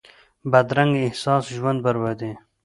بدرنګه احساس ژوند بربادوي